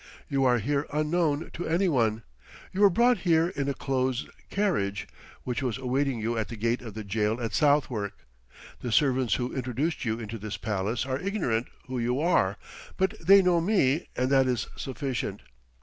You are here unknown to any one. You were brought here in a close carriage, which was awaiting you at the gate of the jail at Southwark. The servants who introduced you into this palace are ignorant who you are; but they know me, and that is sufficient.